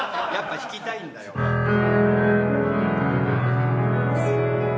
やっぱ弾きたいんだ。